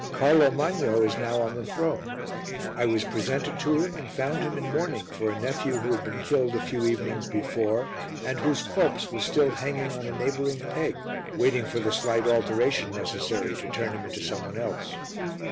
Carlo Magno is now on the throne. I was presented to him, and found him in mourning for a nephew who had been killed a few evenings before and whose corpse was still hanging on a neighbouring peg, waiting for the slight alteration necessary to turn him into some one else.